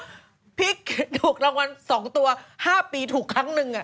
โอ้โฮพลิกถูกรางวัล๒ตัว๕ปีถูกครั้งหนึ่ง